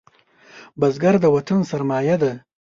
بزګر د وطن سرمايه ده